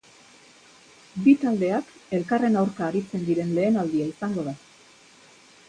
Bi taldeak elkarren aurka aritzen diren lehen aldia izango da.